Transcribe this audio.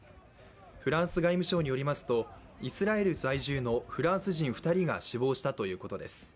フランス外務省によりますと、イスラエル在住のフランス人２人が死亡したということです。